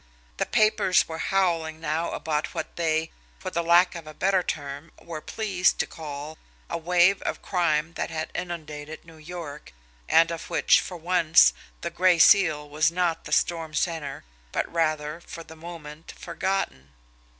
The papers were howling now about what they, for the lack of a better term, were pleased to call a wave of crime that had inundated New York, and of which, for once, the Gray Seal was not the storm centre, but rather, for the moment, forgotten.